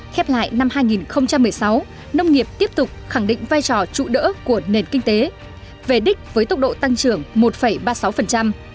khép lại năm hai nghìn một mươi sáu nông nghiệp tiếp tục khẳng định vai trò trụ đỡ của nền kinh tế về đích với tốc độ tăng trưởng một ba mươi sáu